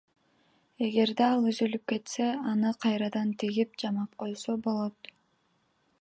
Эгерде ал үзүлүп кетсе аны кайрадан тигип, жамап койсо болот.